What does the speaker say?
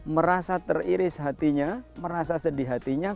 merasa teriris hatinya merasa sedih hatinya